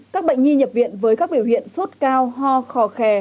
các bệnh nhi nhập viện với các biểu hiện sốt cao ho khò khè